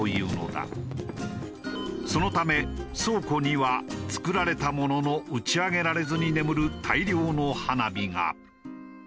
そのため倉庫には作られたものの打ち上げられずに眠る大量の花火が。